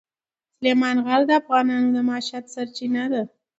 سلیمان غر د افغانانو د معیشت سرچینه ده.